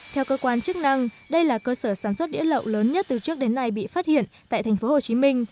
theo cơ quan chức năng đây là cơ sở sản xuất đĩa lậu lớn nhất từ trước đến nay bị phát hiện tại tp hcm